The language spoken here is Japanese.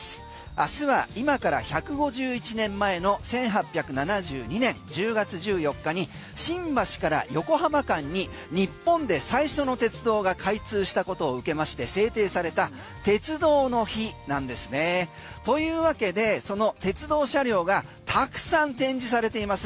明日は今から１５１年前の１８７２年１０月１４日に新橋から横浜間に日本で最初の鉄道が開通したことを受けまして制定された鉄道の日なんですね。というわけで、その鉄道車両がたくさん展示されています。